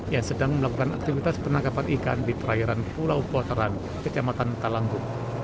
yang sedang melakukan aktivitas penangkapan ikan di perairan pulau kotoran kecamatan talanggu